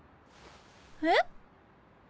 えっ？